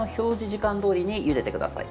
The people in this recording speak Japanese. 時間どおりにゆでてください。